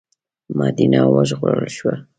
مدینه وژغورل شوه.